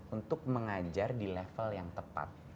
untuk mengajar di level yang tepat